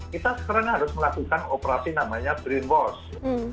kita sekarang harus melakukan operasi namanya brainwash